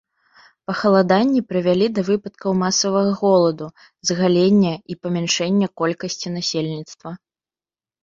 Пахаладанні прывялі да выпадкаў масавага голаду, згалення і памяншэння колькасці насельніцтва.